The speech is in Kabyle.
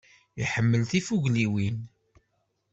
Iḥemmel tifugliwin.